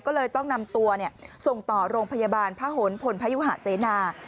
ก็เลยต้องนำตัวส่งต่อโรงพยาบาลพระหลพลพยุหะเสนา